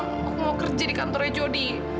aku mau kerja di kantornya jody